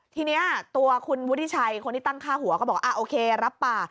ทีนี้ตัวคุณวุฒิชัยคนที่ตั้งค่าหัวก็บอกโอเครับป่า